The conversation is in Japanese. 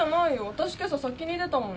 私今朝先に出たもん。